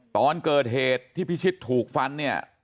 ตอนเกิดเหตุที่พิชิตถูกฟันเนี่ย